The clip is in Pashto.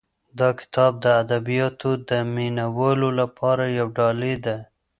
دا کتاب د ادبیاتو د مینه والو لپاره یو ډالۍ ده.